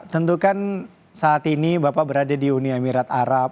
tentu kan saat ini bapak berada di uni emirat arab